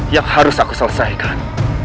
yang harus aku selesaikan